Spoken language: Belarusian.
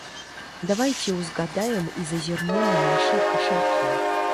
Давайце ўзгадаем і зазірнем у нашы кашалькі.